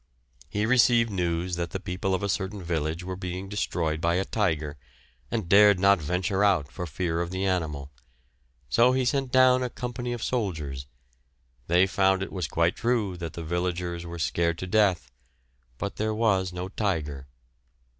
He received news that the people of a certain village were being destroyed by a tiger, and dared not venture out for fear of the animal, so he sent down a company of soldiers; they found it was quite true that the villagers were scared to death, but there was no tiger.